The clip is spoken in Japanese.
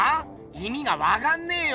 いみがわかんねえよ。